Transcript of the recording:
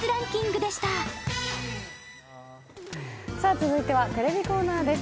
続いてはテレビコーナーです。